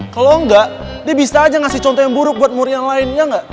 kalau enggak dia bisa aja ngasih contoh yang buruk buat muri yang lain ya nggak